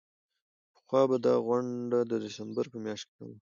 پخوا به دا غونډه د ډسمبر په میاشت کې وه.